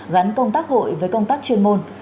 gắn công tác hội với công tác chuyên môn